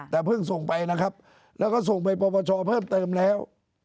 แต่เพิ่งส่งไปนะครับแล้วก็ส่งไปปรปชเพิ่มเติมแล้ว